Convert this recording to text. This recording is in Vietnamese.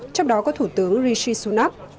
trong đó có thủ tướng rishi sunak